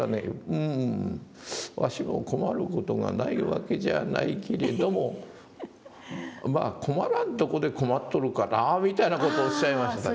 「うんわしも困る事がないわけじゃないけれどもまあ困らんとこで困っとるかな」みたいな事をおっしゃいましたね。